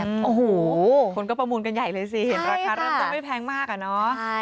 โอ้โหคนก็ประมูลกันใหญ่เลยสิเห็นราคาเริ่มต้นไม่แพงมากอะเนาะ